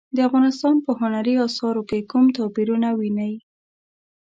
د افغانستان په هنري اثارو کې کوم توپیرونه وینئ؟